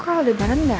kok aldebaran gak ada ya